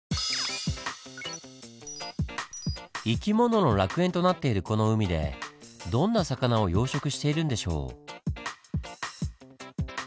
生き物の楽園となっているこの海でどんな魚を養殖しているんでしょう？